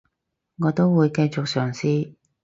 我都會繼續嘗試